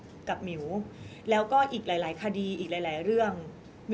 มิวยังมั่นใจนะคะว่ายังมีเจ้าหน้าที่ตำรวจอีกหลายคนที่พร้อมจะให้ความยุติธรรมกับมิว